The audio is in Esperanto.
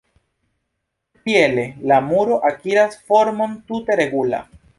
Tiele la muro akiras formon tute regula.